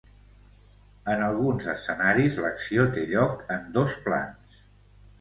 En alguns escenaris l'acció té lloc en dos plans.